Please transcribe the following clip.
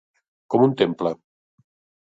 Com un temple.